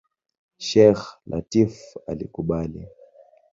Sheikh Lateef alikubali.